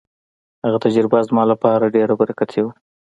هغه تجربه زما لپاره ډېره برکتي وه.